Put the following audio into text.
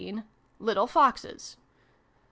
Little Foxes. 10.